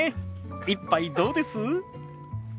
一杯どうです？